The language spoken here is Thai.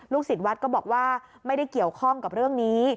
ศิษย์วัดก็บอกว่าไม่ได้เกี่ยวข้องกับเรื่องนี้